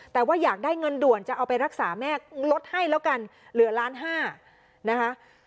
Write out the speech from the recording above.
แต่ว่าอยากได้เงินด่วนจะเอาไปรักษาแม่ลดให้แล้วกันเหลือล้านห้านะคะ